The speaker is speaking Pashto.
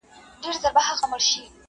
په لوی لاس ځانته کږې کړي سمي لاري!!..